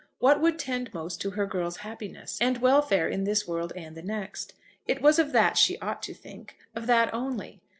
What would tend most to her girl's happiness, and welfare in this world and the next? It was of that she ought to think, of that only.